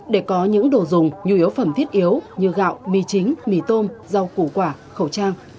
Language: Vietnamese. để có những đồ dùng nhu yếu phẩm thiết yếu như gạo mì chính mì tôm rau củ quả khẩu trang